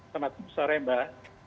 selamat sore mbak